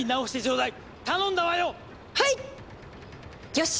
よし！